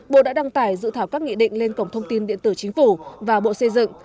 bộ đã đăng tải dự thảo các nghị định lên cổng thông tin điện tử chính phủ và bộ xây dựng